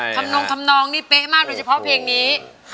นงทำนองนี่เป๊ะมากโดยเฉพาะเพลงนี้